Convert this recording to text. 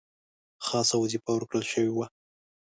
خاصه وظیفه ورکړه شوې وه.